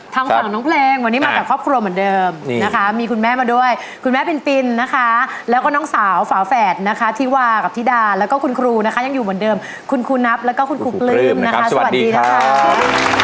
ทางฝั่งน้องเพลงวันนี้มากับครอบครัวเหมือนเดิมนะคะมีคุณแม่มาด้วยคุณแม่ปินนะคะแล้วก็น้องสาวฝาแฝดนะคะธิวากับธิดาแล้วก็คุณครูนะคะยังอยู่เหมือนเดิมคุณครูนับแล้วก็คุณครูปลื้มนะคะสวัสดีนะคะ